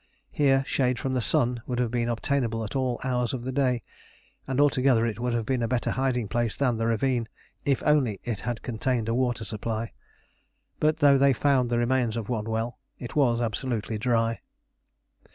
Here shade from the sun would have been obtainable at all hours of the day, and altogether it would have been a better hiding place than the ravine, if only it had contained a water supply. But though they found the remains of one well, it was absolutely dry.